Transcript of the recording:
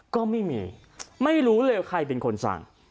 ก็ไม่มีไม่รู้เลยว่าใครเป็นคนสั่ง